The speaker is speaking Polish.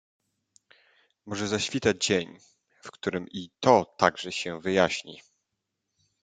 "Może zaświta dzień, w którym i to także się wyjaśni."